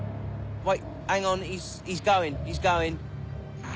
はい？